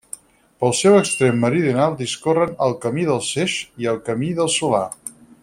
Pel seu extrem meridional discorren el Camí del Seix i el Camí del Solà.